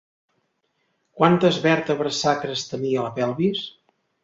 Quantes vèrtebres sacres tenia la pelvis?